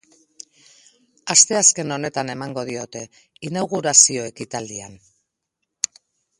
Asteazken honetan emango diote, inaugurazio ekitaldian.